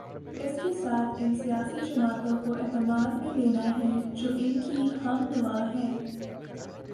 اس کے ساتھ ان سیاسی جماعتوں کو اعتماد میں لینا ہے جو ان کی ہم نوا ہیں۔